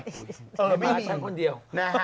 เออไม่มีนำใช้น้ะค่ะเลยไม่มีเพียงคนเดียว